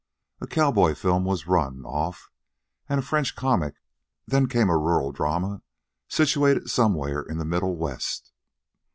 A cowboy film was run off, and a French comic; then came a rural drama situated somewhere in the Middle West.